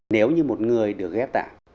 nếu như một người được ghép tạng